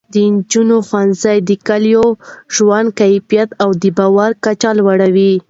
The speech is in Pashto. د نجونو ښوونځی د کلیوالو ژوند کیفیت او د باور کچه لوړوي.